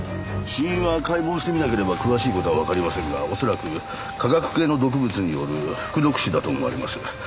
死因は解剖してみなければ詳しい事はわかりませんが恐らく化学系の毒物による服毒死だと思われます。